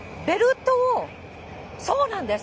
そうなんです。